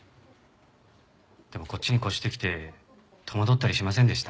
でもこっちに越してきて戸惑ったりしませんでした？